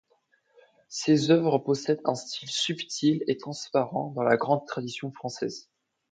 Ses œuvres possèdent un style subtil et transparent, dans la grande tradition française.